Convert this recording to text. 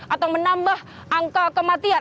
atau menambah angka kematian